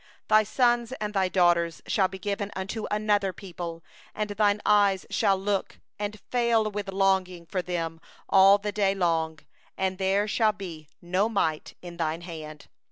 32Thy sons and thy daughters shall be given unto another people, and thine eyes shall look, and fail with longing for them all the day; and there shall be nought in the power of thy hand.